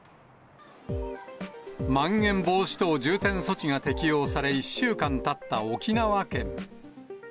まん延防止等重点措置が適用され、１週間たった沖縄県。